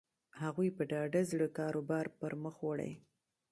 هغوی په ډاډه زړه کاروبار پر مخ وړي.